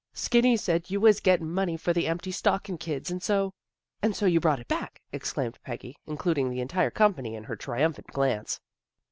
" Skinny said you was gettin' money for the empty stockin' kids, an' so " And so you brought it back," exclaimed Peggy, including the entire company in her triumphant glance.